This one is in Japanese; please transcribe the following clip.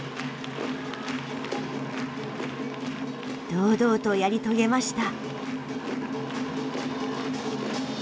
堂々とやり遂げました。